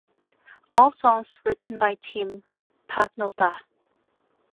All songs written by Tim Pagnotta.